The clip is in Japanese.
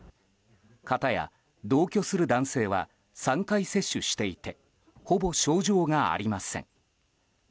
かたや同居する男性は３回接種していてほぼ症状がありません。